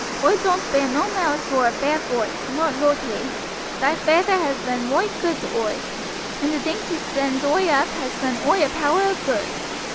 Oi doan't bear no malice vor a fair foight, not loikely. Thy feyther has been roight good to oi, and the things he sends oi up has done oi a power o' good.